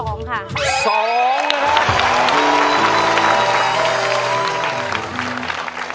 ๒นะครับ